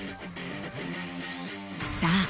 さあ